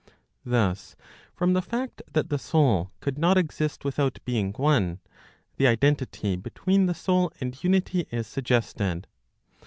Thus from the fact that the soul could not exist without being one, the identity between the soul and unity is suggested.